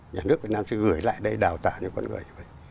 nhà nước việt nam sẽ gửi lại đây đào tạo cho con người như vậy